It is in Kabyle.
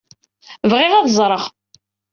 Bɣiɣ ad ẓreɣ.